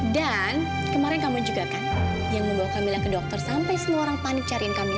dan kemarin kamu juga kan yang membawa kamila ke dokter sampai semua orang panik cari kamila